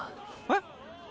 えっ？